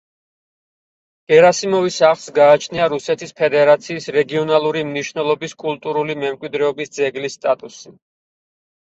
გერასიმოვის სახლს გააჩნია რუსეთის ფედერაციის რეგიონალური მნიშვნელობის კულტურული მემკვიდრეობის ძეგლის სტატუსი.